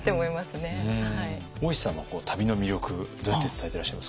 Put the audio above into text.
大石さんは旅の魅力どうやって伝えてらっしゃいますか？